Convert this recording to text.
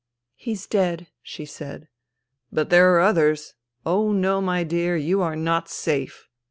" He's dead," she said. " But there are others. Oh, no, my dear, you are not safe.